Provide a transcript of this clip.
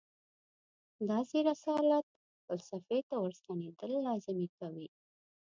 داسې رسالت فلسفې ته ورستنېدل لازمي کوي.